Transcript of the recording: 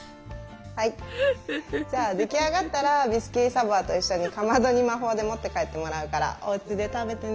はいじゃあ出来上がったらビスキュイ・ド・サヴォワと一緒にかまどに魔法で持って帰ってもらうからおうちで食べてね。